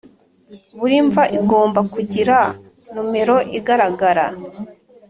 Buri mva igomba kugira nomero igaragara